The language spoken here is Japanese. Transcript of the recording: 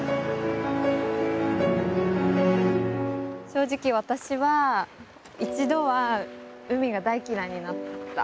正直私は一度は海が大嫌いになった。